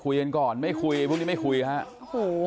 คุยกันก่อนไม่คุยพรุ่งนี้ไม่คุยฮะโอ้โห